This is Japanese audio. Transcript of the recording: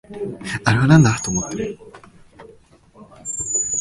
あれをなんだと思ってる？